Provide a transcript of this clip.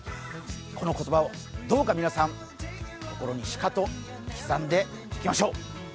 この言葉をどうか皆さん、心にしかと刻んでいきましょう。